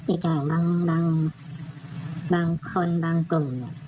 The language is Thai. อีกอย่างบางบางบางคนบางกลุ่มเนี่ย